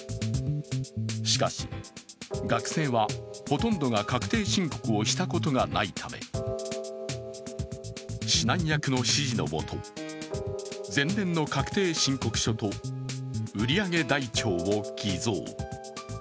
しかし、学生はほとんどが確定申告をしたことがないため指南役の指示のもと、前年の確定申告書と売り上げ台帳を偽造。